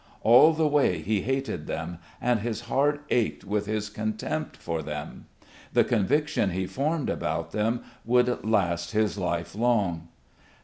All the way he hated them, and his heart ached with his contempt for them. The conviction he formed about them would last his life long.